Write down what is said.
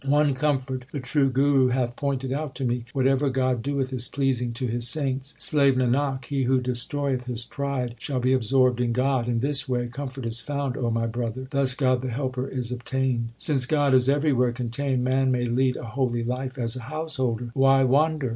One comfort the true Guru hath pointed out to me 4 Whatever God doeth is pleasing to His saints. Slave Nanak, he who destroyeth his pride shall be absorbed in God. In this way comfort is found, O my brother ; Thus God the Helper is obtained. Since God is everywhere contained, man may lead a holy life as a householder : Why wander